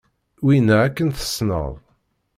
Winna akken tesneḍ.